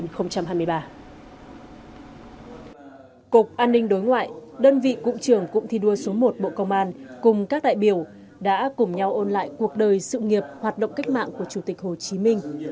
cục an ninh đối ngoại đơn vị cụm trưởng cụm thi đua số một bộ công an cùng các đại biểu đã cùng nhau ôn lại cuộc đời sự nghiệp hoạt động cách mạng của chủ tịch hồ chí minh